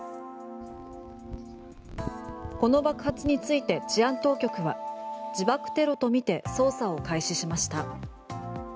この爆発について治安当局は自爆テロとみて捜査を開始しました。